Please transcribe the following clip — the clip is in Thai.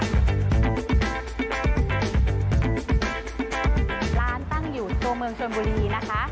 ร้านตั้งอยู่ตัวเมืองชนบุรีนะคะ